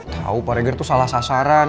tahu pak reger tuh salah sasaran